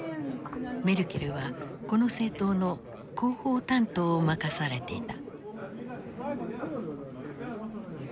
メルケルはこの政党の広報担当を任されていた。